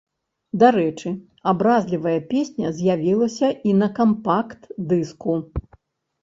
Дарэчы, абразлівая песня з'явілася і на кампакт-дыску.